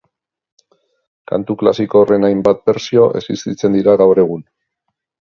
Kantu klasiko horren hainbat bertsio existitzen dira gaur egun